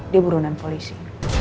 dia buruanan polisi